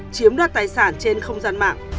chiếm đoạt tài sản trên không gian mạng